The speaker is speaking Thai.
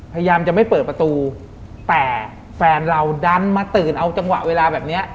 พยายามจะไม่เปิดประตูแต่แฟนเราดันมาตื่นเอาจังหวะเวลาแบบเนี้ย